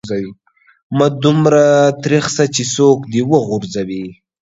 مه دومره تريخ سه چې څوک دي و غورځوي.